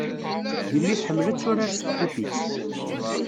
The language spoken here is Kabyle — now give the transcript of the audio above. Yelli tḥemmel ad turar s tpupit.